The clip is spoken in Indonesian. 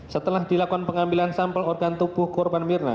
setelah dilakukan pengambilan sampel organ tubuh korban mirna